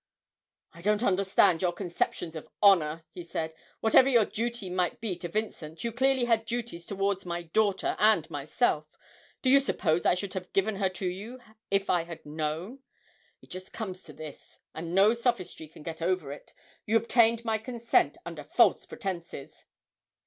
'I don't understand your conceptions of honour,' he said. 'Whatever your duty might be to Vincent, you clearly had duties towards my daughter and myself. Do you suppose I should have given her to you if I had known? It just comes to this, and no sophistry can get over it you obtained my consent under false pretences?'